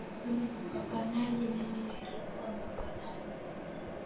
K wewe ni mpiganaji mimi nilikuwa mpiganaji